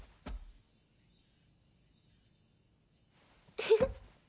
フフフッ！